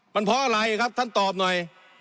มันเพราะอะไรครับท่านตอบหน่อย